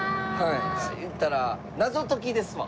言ったら謎解きですわ。